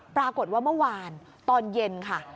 ปรากฏว่าเมื่อวานตอนเย็นค่ะ